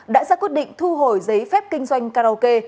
đã ra quyết định thu hồi giấy phép kinh doanh karaoke